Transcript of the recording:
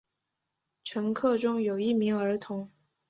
乘客中有一名儿童。